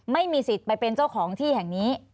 ไม่มีสิทธิ์ไปเป็นเจ้าของที่แห่งนี้